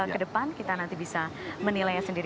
kedepan kita nanti bisa menilainya sendiri